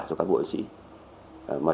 cho cán bộ